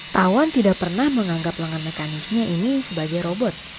tawon tidak pernah menganggap lengan mekanisnya ini sebagai robot